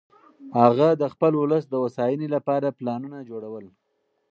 هغه د خپل ولس د هوساینې لپاره پلانونه جوړول.